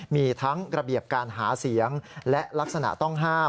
มีทั้งระเบียบการหาเสียงและลักษณะต้องห้าม